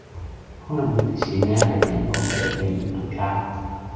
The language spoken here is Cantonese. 可能呢一啲錢呢，係啲人攞出嚟去移民㗎